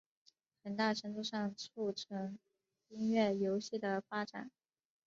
很大程度上促成音乐游戏的发展。